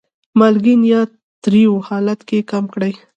مالګین یا تریو حالت یې کم کړي.